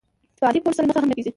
چې په عادي فونټ سل مخه هم نه کېږي.